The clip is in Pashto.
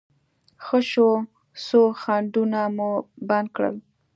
ښه شوه، څو خنډونه مو بند کړل.